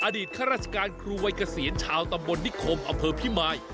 อดีตข้าราชการครูวัยเกษียณชาวตำบลนิคมอพิมาย